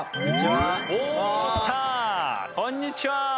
あこんにちは。